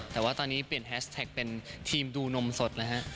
แต่ว่าตอนนี้เปลี่ยนแฮชแท็กเป็นทีมดูนมสดนะฮะ